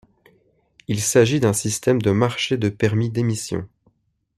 Il s’agit d’un système de marché de permis d’émission.